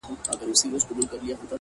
بـې محبــت هــم زندګــي نــه کېــــږي